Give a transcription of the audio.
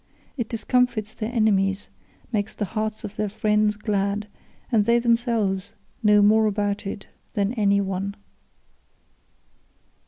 It discomfits their enemies, makes the hearts of their friends glad, and they themselves know more about it than any one."